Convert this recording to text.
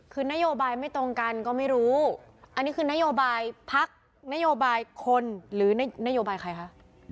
คือนโยบายไม่ตรงกันก็ไม่รู้อันนี้คือนโยบายพักนโยบายคนหรือนโยบายใครคะ